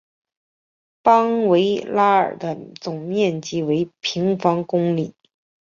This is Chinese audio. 邦维拉尔的总面积为平方公里。